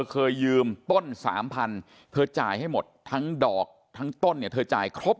เคยยืมต้น๓๐๐เธอจ่ายให้หมดทั้งดอกทั้งต้นเนี่ยเธอจ่ายครบ